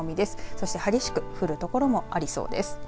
そして激しく降る所もありそうです。